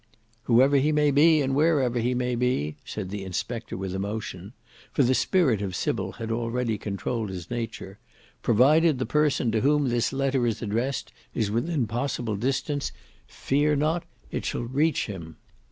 "Whoever he may be and wherever he may be," said the inspector with emotion, for the spirit of Sybil had already controlled his nature, "provided the person to whom this letter is addressed is within possible distance, fear not it shall reach him."